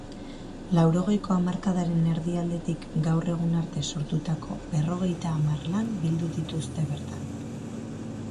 Laurogeiko hamarkadaren erdialdetik gaur egun arte sortutako berrogeita hamar lan bildu dituzte bertan.